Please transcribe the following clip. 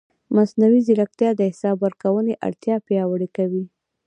مصنوعي ځیرکتیا د حساب ورکونې اړتیا پیاوړې کوي.